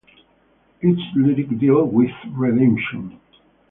Its lyrics deal with redemption.